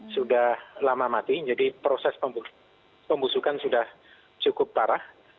sudah lama mati jadi proses pembusukan sudah cukup parah